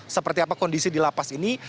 seperti apa kondisi di lapas ini